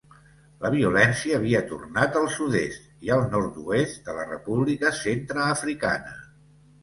La violència havia tornat al sud-est i al nord-oest de la República Centreafricana.